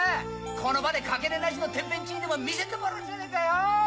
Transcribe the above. この場で掛け値なしの天変地異でも見せてもらおうじゃねえかよ！